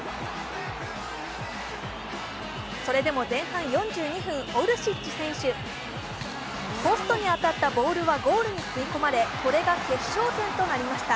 それでも前半４２分、オルシッチ選手ポストに当たったボールはゴールに吸い込まれ、これが決勝点となりました。